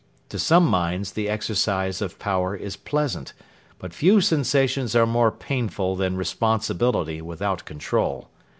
To some minds the exercise of power is pleasant, but few sensations are more painful than responsibility without control.